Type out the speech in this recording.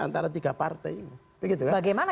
tiga partai ini begitu kan bagaimana